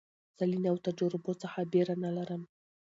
زه له نوو تجربو څخه بېره نه لرم.